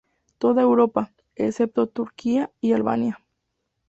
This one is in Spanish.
Toda Europa, excepto Turquía y Albania.